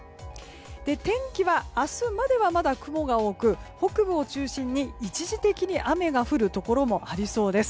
天気は明日までは、まだ雲が多く北部を中心に一時的に雨が降るところもありそうです。